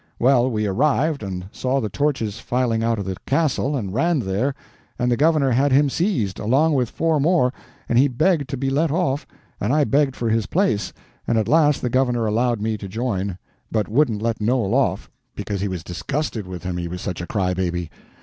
Well, we arrived and saw the torches filing out at the Castle, and ran there, and the governor had him seized, along with four more, and he begged to be let off, and I begged for his place, and at last the governor allowed me to join, but wouldn't let Noel off, because he was disgusted with him, he was such a cry baby.